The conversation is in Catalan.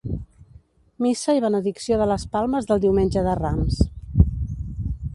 Missa i benedicció de les palmes del Diumenge de Rams.